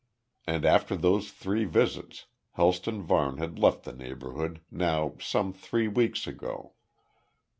And after those three visits, Helston Varne had left the neighbourhood, now some three weeks ago.